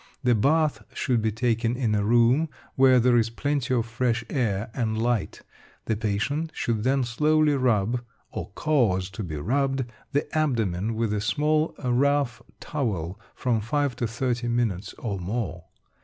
The bath should be taken in a room where there is plenty of fresh air and light. The patient should then slowly rub (or cause to be rubbed) the abdomen with a small rough towel from 5 to 30 minutes or more.